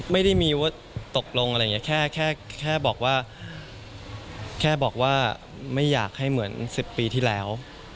ไม่ได้มีตกลงแค่บอกว่าไม่อยากให้เหมือนสิบปีที่แล้ว